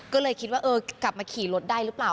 ก็เลยคิดว่าเออกลับมาขี่รถได้หรือเปล่า